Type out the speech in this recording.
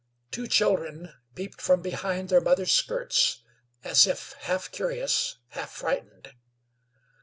Two children peeped from behind their mother's skirts as if half curious, half frightened.